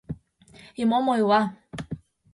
И мом ойла!